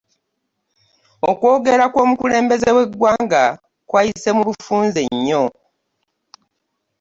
Okwogera kw'omukulembeze w'eggwanga kwayise mu bufunze nnyo.